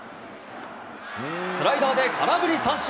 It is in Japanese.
スライダーで空振り三振。